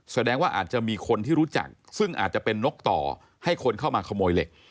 แสดงว่าอาจจะมีคนที่รู้จักซึ่งอาจจะเป็นนกต่อให้คนเข้ามาขโมยเหล็ก